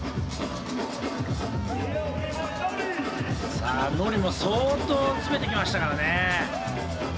さあＮＯＲＩも相当詰めてきましたからね。